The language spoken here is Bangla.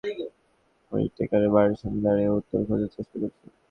পাইলট ক্যাপ্টেন উইলিয়াম হুইপ হুইটেকারের বাড়ির সামনে দাঁড়িয়ে উত্তর খোঁজার চেষ্টা করছি।